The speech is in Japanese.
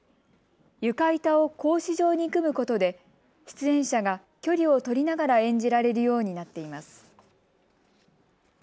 床板を格子状に組むことで出演者が距離を取りながら演じられるようになっています。